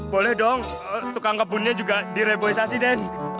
boleh dong tukang kebunnya juga direboisasi den